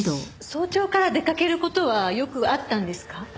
早朝から出かける事はよくあったんですか？